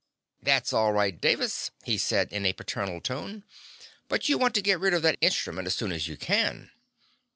"That's all right, Davis," he said in a paternal tone, "but you want to get rid of that instrument as soon as you can."